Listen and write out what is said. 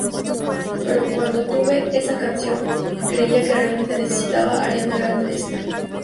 Pero cuando tuve esta canción creía que realmente necesitaba a Ariana Grande en esta"".